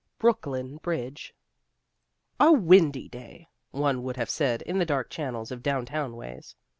BROOKLYN BRIDGE A windy day, one would have said in the dark channels of downtown ways.